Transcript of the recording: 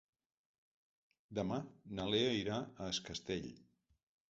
Demà na Lea irà a Es Castell.